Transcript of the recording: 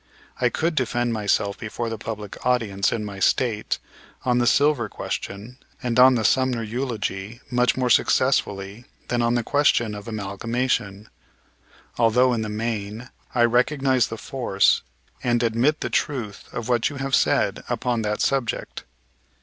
I could defend myself before a public audience in my State on the silver question and on the Sumner eulogy much more successfully than on the question of amalgamation; although in the main, I recognize the force and admit the truth of what you have said upon that subject.